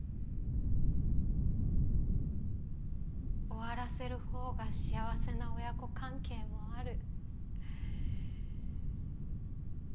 終わらせるほうが幸せな親子関係もある。